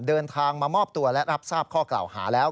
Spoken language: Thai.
เดินทางมามอบตัวและรับทราบข้อกล่าวหาแล้ว